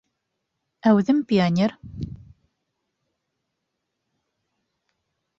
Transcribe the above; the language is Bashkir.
Әүҙем пионер.